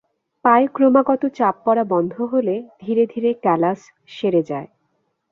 পায়ে ক্রমাগত চাপ পড়া বন্ধ হলে ধীরে ধীরে ক্যালাস সেরে যায়।